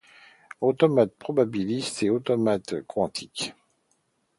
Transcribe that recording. Automates probabilistes et les Automates quantiques.